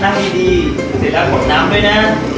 นั่งดีเสียรักหมดน้ำด้วยนะ